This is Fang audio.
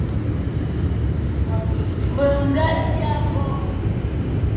Mé ñga dia bo,